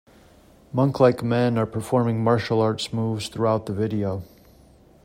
Monk-like men are performing martial arts moves throughout the video.